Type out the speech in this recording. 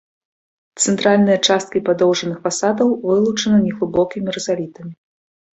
Цэнтральныя часткі падоўжных фасадаў вылучаны неглыбокімі рызалітамі.